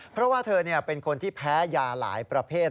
เพราะว่าเธอเป็นคนที่แพ้ยาหลายประเภท